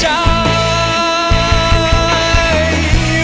สวัสดี